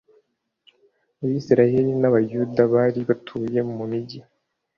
Abisirayeli n Abayuda bari batuye mu migi